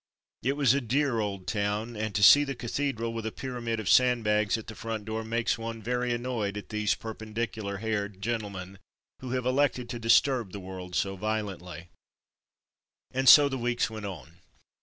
It was a dear old town, and to see the cathedral with a pyramid of sand bags at the front door makes one very annoyed at these perpendicular haired gentlemen who have elected to disturb the world so violently. "Hotel du Rhin" 119 And so the weeks went on.